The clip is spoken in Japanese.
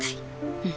うん。